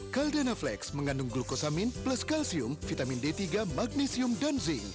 caldana flex mengandung glukosamin plus kalsium vitamin d tiga magnesium dan zinc